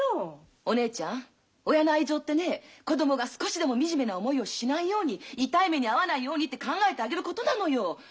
お姉ちゃん親の愛情ってね子供が少しでも惨めな思いをしないように痛い目に遭わないようにって考えてあげることなのよ。